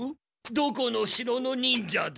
どこの城の忍者だ？